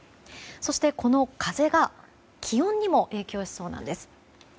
そして、この風が気温にも影響しそうなんです。